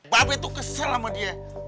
babeh tuh kesel sama dia